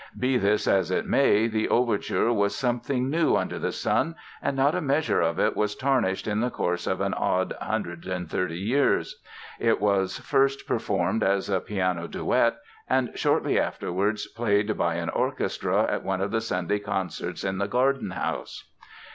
Be this as it may, the Overture was something new under the sun and not a measure of it has tarnished in the course of an odd 130 years. It was first performed as a piano duet and shortly afterwards played by an orchestra at one of the Sunday concerts in the garden house.